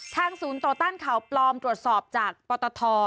ศูนย์ต่อต้านข่าวปลอมตรวจสอบจากปตท